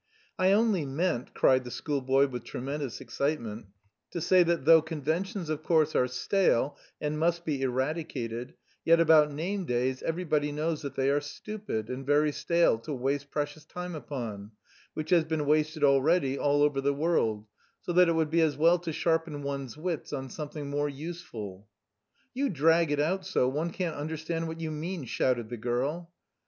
"I only meant," cried the schoolboy with tremendous excitement, "to say that though conventions of course are stale and must be eradicated, yet about name days everybody knows that they are stupid and very stale to waste precious time upon, which has been wasted already all over the world, so that it would be as well to sharpen one's wits on something more useful...." "You drag it out so, one can't understand what you mean," shouted the girl.